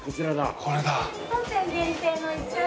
これだ。